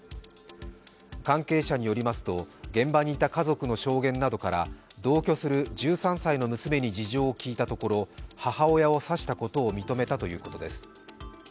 関係者によりますと、現場にいた家族の証言などから同居する１３歳の娘に事情を聴いたところ母親を刺したことを認めたということです。